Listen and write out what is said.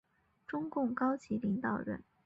中共高级领导人。